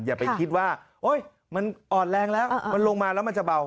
อย่าไปคิดว่ามันอ่อนแรงแล้วมันลงมาแล้วมันจะเบา